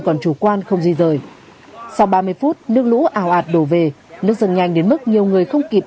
còn chủ quan không di rời sau ba mươi phút nước lũ ảo ạt đổ về nước dâng nhanh đến mức nhiều người không kịp